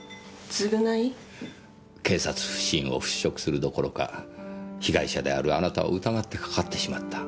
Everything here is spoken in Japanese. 警察不信を払拭するどころか被害者であるあなたを疑ってかかってしまった。